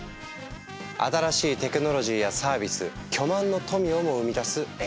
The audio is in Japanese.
新しいテクノロジーやサービス巨万の富をも生み出すＭ＆Ａ。